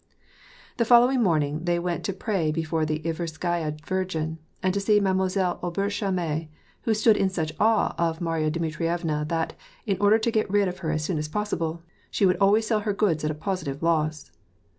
The following morning they went to pray before the Iver skaya Virgin, and to see Mademoiselle Aubert Chalme, who stood in such awe of Marya Dmitrievna that, in order to get rid of her as soon as possible, she would always sell her goods at a positive loss.